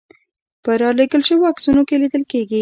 په رالېږل شویو عکسونو کې لیدل کېږي.